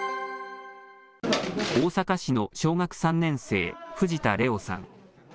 大阪市の小学３年生、藤田怜央さん。